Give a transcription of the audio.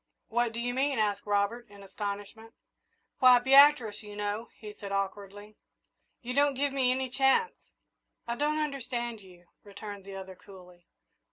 "What do you mean?" asked Robert, in astonishment. "Why, Beatrice, you know," he said awkwardly; "you don't give me any chance." "I don't understand you," returned the other, coolly.